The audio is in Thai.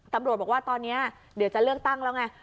ตำรวจบอกว่าตอนนี้เดี๋ยวจะเลือกตั้งแล้วไง